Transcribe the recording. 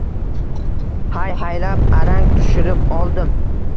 Hay-haylab arang tushirib oldim